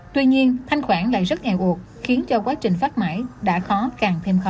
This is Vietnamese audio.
tuy nhiên thanh khoản lại rất nghèo cuộc khiến cho quá trình phát mãi đã khó càng thêm khó